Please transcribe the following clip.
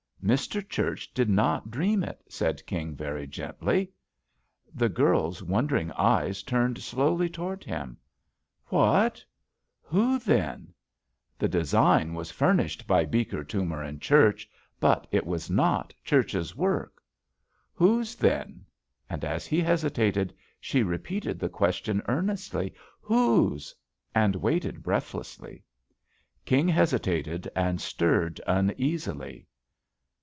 "Mr. Church did not dream it," said King very gently. The girl's wondering eyes turned slowly toward him. "What I /FAo, then?" JUST SWEETHEARTS "The design was furnished by Beeker, Toomer & Church, but it was not Church's work." "Whose, then?" And as he hesitated, she repeated the question earnestly, "Whose?" and waited breathlessly. King hesitated and stirred uneasily.